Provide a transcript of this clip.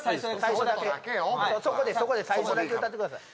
そこで最初だけ歌ってください